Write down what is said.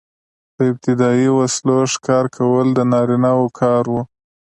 په ابتدايي وسلو ښکار کول د نارینه وو کار و.